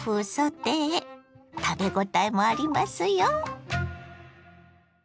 食べごたえもありますよ。